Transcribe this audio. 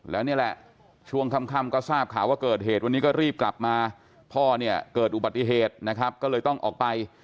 แล้วนี่แหละช่วงค่ำก็ทราบข่าวว่าเกิดเหตุวันนี้ก็รีบกลับมาพ่อเนี่ยเกิดอุบัติเหตุนะครับก็เลยต้องออกไป